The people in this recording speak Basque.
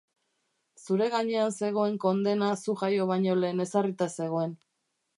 Zure gainean zegoen kondena zu jaio baino lehen ezarrita zegoen.